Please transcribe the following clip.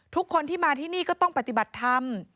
ทุกคนที่มาที่นี่ก็ต้องปฏิบัติธรรม